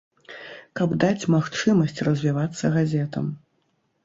Каб даць магчымасць развівацца газетам.